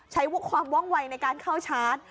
ใช้ความว่องวัยในการเข้าชาร์จ